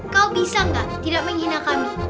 kau bisa nggak tidak menghina kami